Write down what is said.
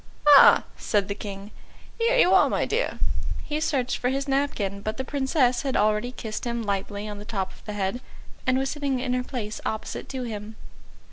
"Ah," said the King, "here you are, my dear." He searched for his napkin, but the Princess had already kissed him lightly on the top of the head, and was sitting in her place opposite to him.